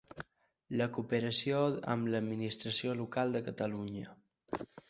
La cooperació amb l'Administració local de Catalunya.